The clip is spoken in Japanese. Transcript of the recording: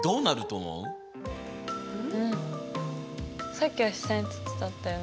さっきは下に凸だったよね。